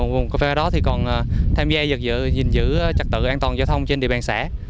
công lạc bộ này thực hiện phối hợp cùng với công an trật tự an toàn giao thông trên địa bàn